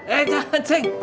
eh jangan ceng